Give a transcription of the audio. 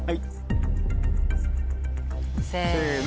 せの！